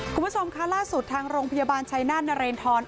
คุณผู้ชมค่ะล่าสุดทางโรงพยาบาลชัยนาธนเรนทร